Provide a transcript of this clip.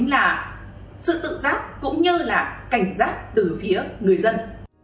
là sự tự giác cũng như là cảnh giác từ phía người dân